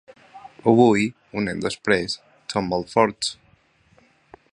Avui, un any després, som molt forts.